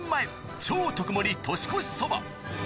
超特盛り年越しそば。